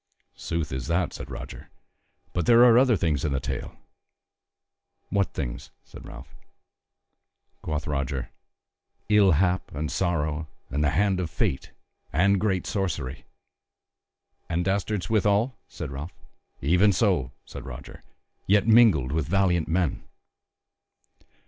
"Sooth is that," said Roger; "but there are other things in the tale." "What things?" said Ralph. Quoth Roger: "Ill hap and sorrow and the Hand of Fate and great Sorcery." "And dastards withal?" said Ralph. "Even so," said Roger, "yet mingled with valiant men.